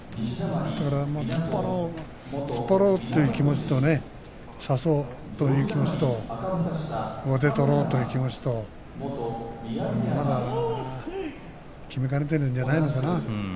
だから突っ張ろうという気持ちと差そうという気持ちと上手を取ろうという気持ちとまだ決めかねているんじゃないかな。